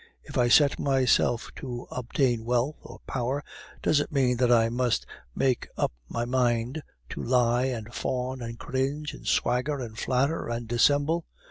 If I set myself to obtain wealth or power, does it mean that I must make up my mind to lie, and fawn, and cringe, and swagger, and flatter, and dissemble?